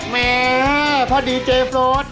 แม่พอดีเจโรส